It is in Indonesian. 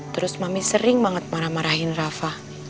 terus mami sering banget marah marahin rafa